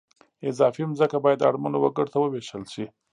اضافي ځمکه باید اړمنو وګړو ته ووېشل شي